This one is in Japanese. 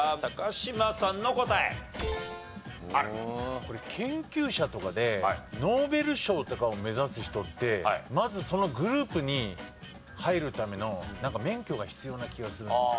これ研究者とかでノーベル賞とかを目指す人ってまずそのグループに入るための免許が必要な気がするんですよ。